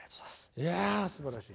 いやすばらしい！